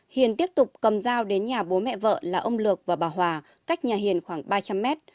hiền tiếp tục cầm dao đến nhà bố mẹ vợ là ông lược và bà hòa cách nhà hiền khoảng ba trăm linh mét